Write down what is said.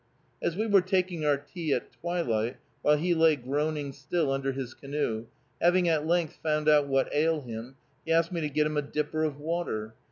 As we were taking our tea at twilight, while he lay groaning still under his canoe, having at length found out "what ail him," he asked me to get him a dipper of water.